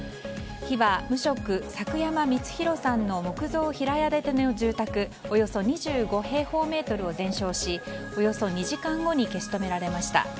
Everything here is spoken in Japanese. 火は無職・作山光廣さんの木造平屋建ての住宅およそ２５平方メートルを全焼しおよそ２時間後に消し止められました。